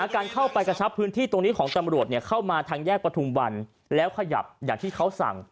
การเข้าไปกระชับพื้นที่ตรงนี้ของตำรวจเข้ามาทางแยกประทุมวันแล้วขยับอย่างที่เขาสั่ง